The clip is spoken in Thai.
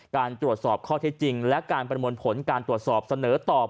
การตรวจสอบข้อเท็จจริงและการประมวลผลการตรวจสอบเสนอตอบ